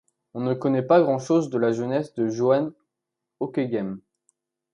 On ne connaît pas grand-chose de la jeunesse de Johannes Ockeghem.